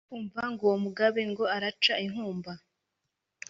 umva uwo mugabe ngo araca inkumba